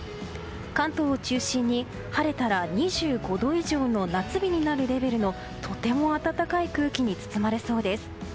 関東を中心に、晴れたら２５度以上の夏日になるレベルのとても暖かい空気に包まれそうです。